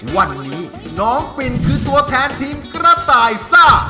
วันนี้น้องปินคือตัวแทนทีมกระต่ายซ่า